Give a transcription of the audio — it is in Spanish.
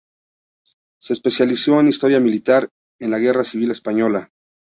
Se especializó en historia militar y en la Guerra Civil Española.